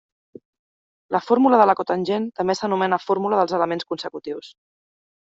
La fórmula de la cotangent també s'anomena fórmula dels elements consecutius.